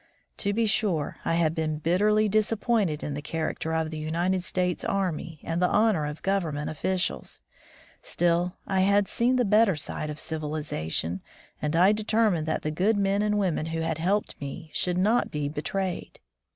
To be sure, I had been bitterly disappointed in the character of the United States army and the honor of Government officials. StiU, I had seen the better side of civilization, and I determined that the good men and women who had helped me should not be betrayed.